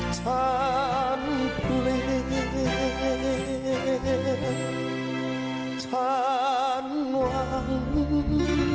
ฉันเหมือนฉันเพลงฉันหวัง